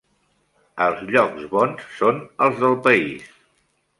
Els llocs bons són els del país.